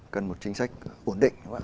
cần một chính sách ổn định